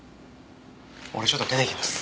俺ちょっと出てきます。